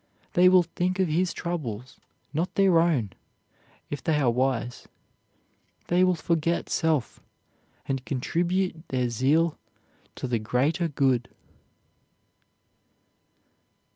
They will think of his troubles, not their own, if they are wise: they will forget self, and contribute their zeal to the greater good.